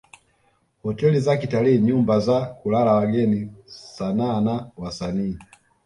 Hoteli za kitalii nyumba za kulala wageni sanaa na wasanii